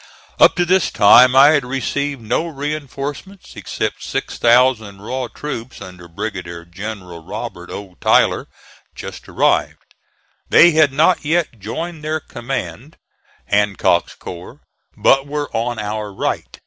Up to this time I had received no reinforcements, except six thousand raw troops under Brigadier General Robert O. Tyler, just arrived. They had not yet joined their command, Hancock's corps, but were on our right.